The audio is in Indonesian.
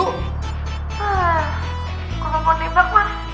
hah kok ngomong nembak mah